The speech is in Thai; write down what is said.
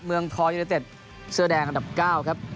เมืองทองยูเนเต็ดเสื้อแดงอันดับ๙ครับ